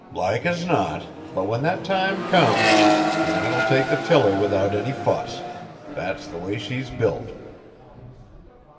"Like as not, but when that time comes, Janet'll take the tiller without any fuss. That's the way she's built."